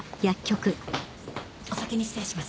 お先に失礼します。